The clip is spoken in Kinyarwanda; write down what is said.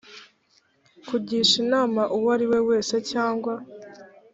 kugisha inama uwo ari we wese cyangwa